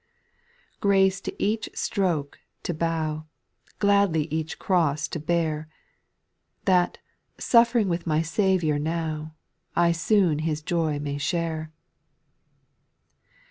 ' Grace to each stroke to bow, Gladly each cross to bear, That, suffering with the Saviour now, I soon His joy may share.